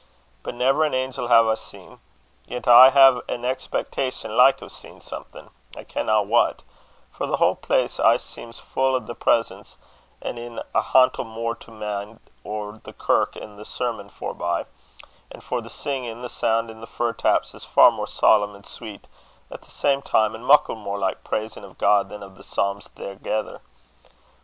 But never an angel hae I seen. Yet I aye hae an expectation like o' seein' something, I kenna what; for the whole place aye seems fu' o' a presence, an' it's a hantle mair to me nor the kirk an' the sermon forby; an' for the singin', the soun' i' the fir taps is far mair solemn and sweet at the same time, an' muckle mair like praisin' o' God than a' the psalms thegither.